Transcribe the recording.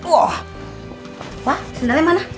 wah sandalnya mana